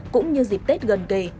cũng như dịp tết gần kề